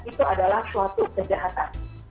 itu adalah suatu kejahatan